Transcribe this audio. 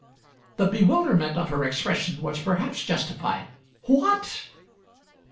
The bewilderment of her expression was perhaps justified. "What!"